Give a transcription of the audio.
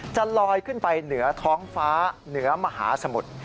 จะลอยขึ้นไปเหนือท้องฟ้าเหนือมหาสมุทร